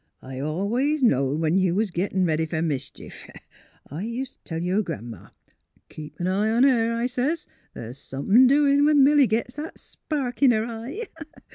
*' I always knowed when you was gittin' ready fer mischief. I ust' t' tell yer Gran 'ma, ' Keep an eye on her,' I sez, ' th's somethin' doin' when Milly gits that spark in her eye.'